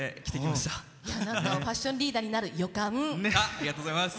ありがとうございます。